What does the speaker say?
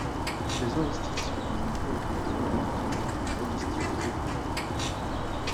Les investisseurs demandent donc une prime de liquidité pour investir à long terme.